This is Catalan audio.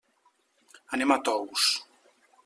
Anem a Tous.